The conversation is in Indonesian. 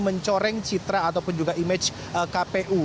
mencoreng citra ataupun juga image kpu